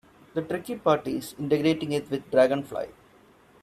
The tricky part is integrating it with Dragonfly.